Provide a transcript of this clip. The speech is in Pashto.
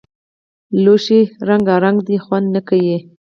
لوښي رنګونک دي خوند نۀ که